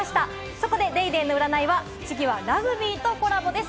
そこで『ＤａｙＤａｙ．』の占いは、次はラグビーとコラボです。